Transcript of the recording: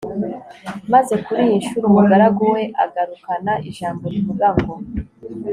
maze kuri iyi ncuro umugaragu we agarukana ijambo rivuga ngo